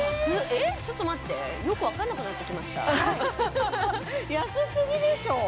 えっちょっと待ってよく分かんなくなってきました安すぎでしょう？